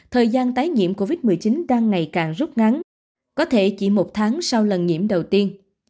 thời gian tái nhiễm covid một mươi chín đang ngày càng rút ngắn có thể chỉ một tháng sau lần nhiễm đầu tiên